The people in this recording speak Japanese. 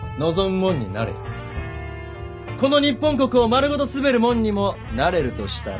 この日本国を丸ごと統べる者にもなれるとしたら？